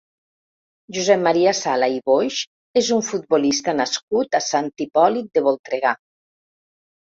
Josep Maria Sala i Boix és un futbolista nascut a Sant Hipòlit de Voltregà.